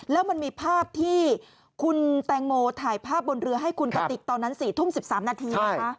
แล้วมันมีภาพที่คุณแตงโมถ่ายภาพบนเรือให้คุณกติกตอนนั้น๔ทุ่ม๑๓นาทีนะคะ